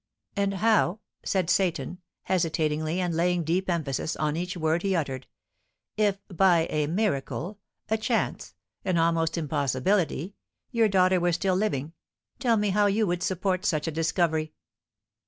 "And how," said Seyton, hesitatingly and laying deep emphasis on each word he uttered, "if by a miracle, a chance, an almost impossibility, your daughter were still living, tell me how you would support such a discovery."